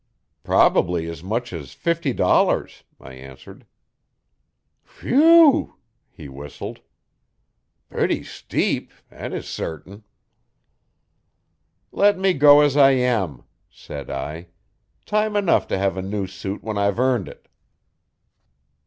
'Probably as much as fifty dollars,' I answered. 'Whew w w!' he whistled. 'Patty steep! It is sartin.' 'Let me go as I am,' said I. 'Time enough to have a new suit when I've earned it.'